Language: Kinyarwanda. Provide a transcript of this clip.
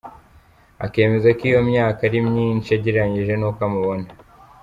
Akemeza ko iyo myaka ari myinshi agereranyije n’uko amubona.